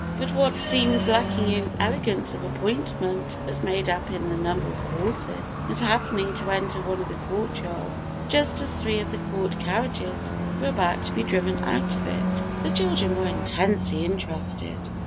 But what seemed lacking in elegance of appointment was made up in the number of horses; and happening to enter one of the courtyards just as three of the court carriages were about to be driven out of it, the children were intensely interested.